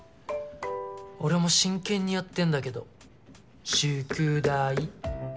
俺も真剣にやってんだけど宿題。